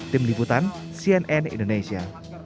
tim liputan cnn indonesia